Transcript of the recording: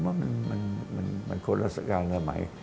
ผมว่ามันควรรศกาลด้วยไหม